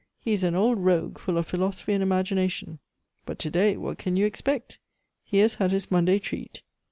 He is an old rogue, full of philosophy and imagination. But to day, what can you expect! He has had his Monday treat.